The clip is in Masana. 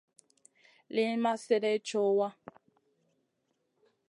Liyn ma slèdeyn co wa.